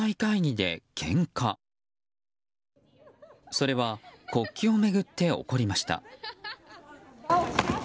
それは国旗を巡って起こりました。